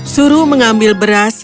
suruh mengambil beras